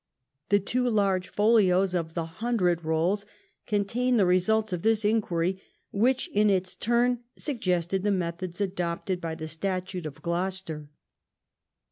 The two large folios of the Hundred Rolls contain the results of this inquiry, which in its turn suggested the methods adopted by the Statute of Gloucester.